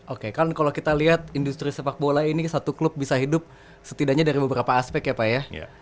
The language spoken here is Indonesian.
oke kan kalau kita lihat industri sepak bola ini satu klub bisa hidup setidaknya dari beberapa aspek ya pak ya